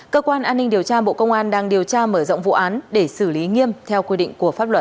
cơ quan an ninh điều tra bộ công an đang điều tra mở rộng vụ án để xử lý nghiêm theo quy định của pháp luật